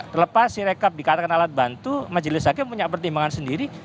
terlepas sirekap dikatakan alat bantu majelis hakim punya pertimbangan sendiri